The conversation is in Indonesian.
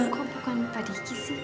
kok bukan tadi kisu